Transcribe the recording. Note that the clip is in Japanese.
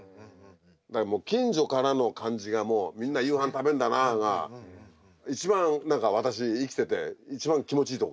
だからもう近所からの感じがもうみんな夕飯食べるんだなが一番何か私生きてて一番気持ちいい時。